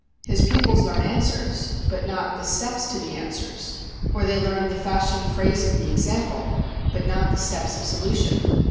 His pupils learn answers, but not the steps to the answers; or they learn the fashion phrase of the "example," but not the steps of solution.